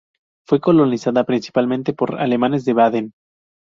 Fue colonizada principalmente por alemanes de Baden.